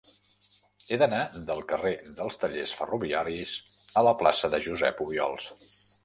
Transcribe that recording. He d'anar del carrer dels Tallers Ferroviaris a la plaça de Josep Obiols.